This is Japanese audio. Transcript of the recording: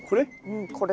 これ？